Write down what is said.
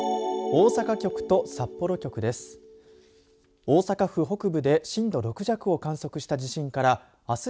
大阪局と札幌局です。